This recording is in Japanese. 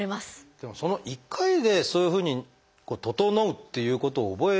でもその一回でそういうふうに整うっていうことを覚えるとね